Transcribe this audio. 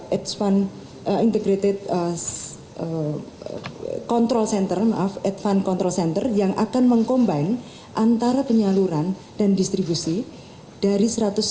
jadi untuk penyelenggaraan yang diperlukan oleh pemerintah kami meminta untuk menghadirkan penyelenggaraan yang diperlukan oleh pemerintah